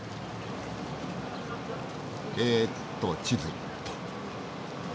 えっと地図っと。